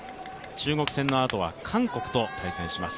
中国戦のあとは韓国と対戦します。